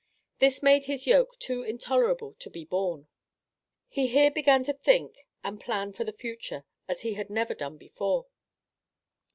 This threat made his yoke too intolerable to be borne. He here began to think and plan for the future as he had never done before.